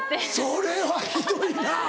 それはひどいな。